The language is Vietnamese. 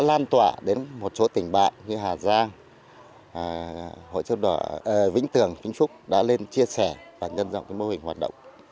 can tỏa đến một số tỉnh bạn như hà giang vĩnh tường vĩnh phúc đã lên chia sẻ và nhân dọng mô hình hoạt động